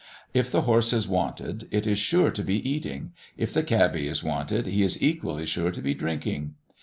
If the horse is wanted, it is sure to be eating; if the cabby is wanted, he is equally sure to be drinking.